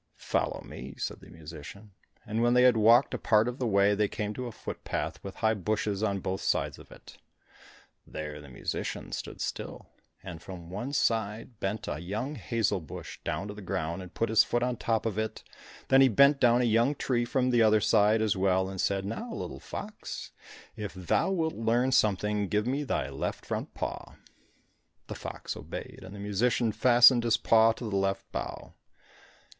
"Follow me," said the musician; and when they had walked a part of the way, they came to a footpath, with high bushes on both sides of it. There the musician stood still, and from one side bent a young hazel bush down to the ground, and put his foot on the top of it, then he bent down a young tree from the other side as well, and said, "Now little fox, if thou wilt learn something, give me thy left front paw." The fox obeyed, and the musician fastened his paw to the left bough.